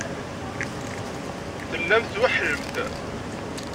Tellamt tweḥḥlemt.